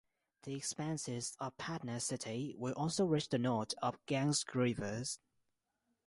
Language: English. The expanses of Patna city will also reach the north of the Ganges river.